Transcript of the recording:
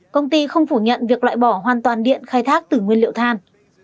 công ty không phủ nhận việc loại bỏ hoàn toàn điện khai thác từ nguyên liệu than